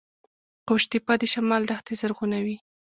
قوش تیپه د شمال دښتې زرغونوي